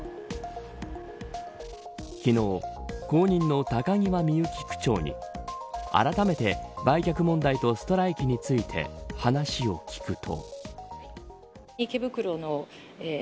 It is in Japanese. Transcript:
昨日、後任の高際みゆき区長にあらためて売却問題とストライキについて話を聞くと。